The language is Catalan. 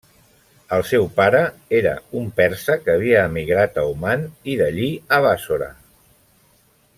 El seu pare era un persa que havia emigrat a Oman i d'allí a Bàssora.